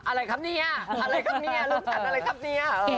อะไรครับเนี้ยลุงทัศน์อะไรครับเนี้ย